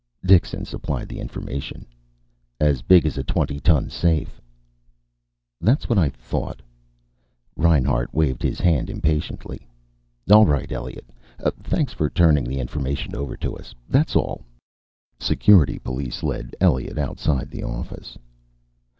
Dixon supplied the information. "As big as a twenty ton safe." "That's what I thought." Reinhart waved his hand impatiently. "All right, Elliot. Thanks for turning the information over to us. That's all." Security police led Elliot outside the office.